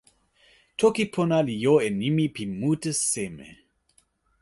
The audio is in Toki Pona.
toki pona li jo e nimi pi mute seme?